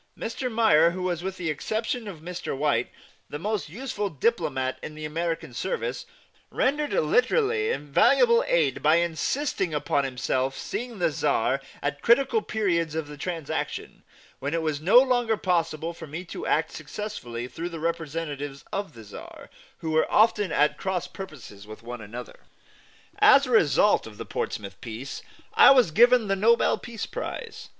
Mr. Meyer, who was, with the exception of Mr. White, the most useful diplomat in the American service, rendered literally invaluable aid by insisting upon himself seeing the Czar at critical periods of the transaction, when it was no longer possible for me to act successfully through the representatives of the Czar, who were often at cross purposes with one another. As a result of the Portsmouth peace, I was given the Nobel Peace Prize.